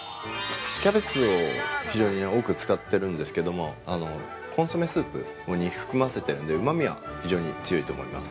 キャベツを非常に多く使ってるんですけども、コンソメスープを煮含ませてるんで、うまみが非常に強いと思います。